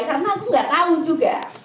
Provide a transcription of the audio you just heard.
karena aku gak tahu juga